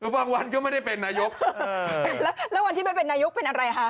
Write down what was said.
บางวันก็ไม่ได้เป็นนายกแล้วแล้ววันที่ไม่เป็นนายกเป็นอะไรฮะ